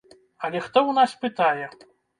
Але хто ў нас пытае?